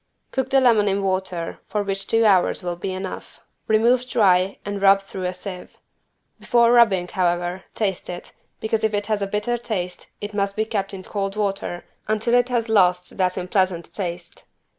Cook the lemon in water, for which two hours will be enough. Remove dry and rub through a sieve. Before rubbing, however, taste it, because if it has a bitter taste it must be kept in cold water until it has lost that unpleasant taste.